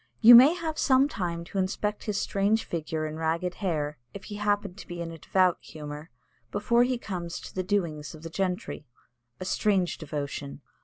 You may have some time to inspect his strange figure and ragged hair, if he happen to be in a devout humour, before he comes to the doings of the gentry. A strange devotion!